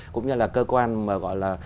cũng như là cơ quan mà gọi là